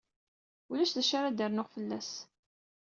Ulac d acu ara d-rnuɣ fell-as.